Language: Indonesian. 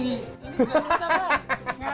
nanti udah bisa pak